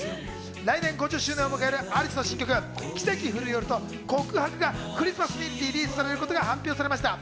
来年５０周年を迎えるアリスの新曲、『キセキフルヨル』と『告白』がクリスマスにリリースされることが発表されました。